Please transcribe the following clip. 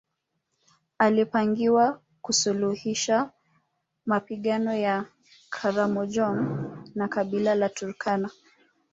Alipangiwa kusuluhisha mapigano ya Karamojong na kabila la Turkana